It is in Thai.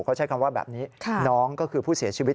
เขาใช้คำว่าแบบนี้น้องก็คือผู้เสียชีวิต